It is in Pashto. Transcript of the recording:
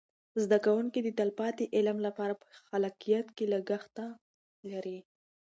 زده کوونکي د تلپاتې علم لپاره په خلاقیت کې لګښته لري.